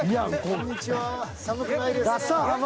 こんにちは。